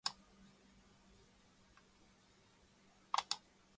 An example here may be helpful.